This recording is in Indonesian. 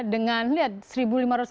dengan lihat seribu lima ratus orang di bawah